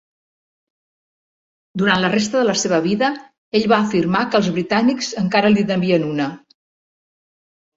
Durant la resta de la seva vida ell va afirmar que els britànics encara li devien una.